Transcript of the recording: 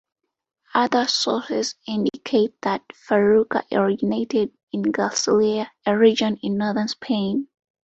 Other sources indicate that Farruca originated in Galicia, a region in northern Spain.